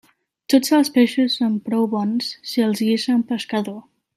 Tots els peixos són prou bons si els guisa un pescador.